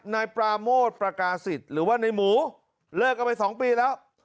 นายปราโมทประกาศิษย์หรือว่าในหมูเลิกกันไป๒ปีแล้ว